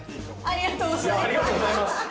ありがとうございます！